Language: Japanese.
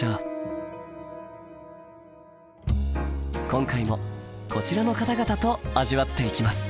今回もこちらの方々と味わっていきます。